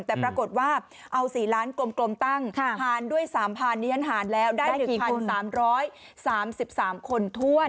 แต่ปรากฏว่าเอา๔ล้านกลมตั้งหารด้วย๓๐๐นี่ฉันหารแล้วได้๑๓๓คนถ้วน